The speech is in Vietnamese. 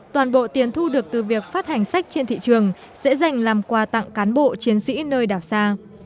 toàn bộ tiền thu được từ việc phát hành sách trên thị trường sẽ dành làm quà tặng cán bộ chiến sĩ nơi đảo xa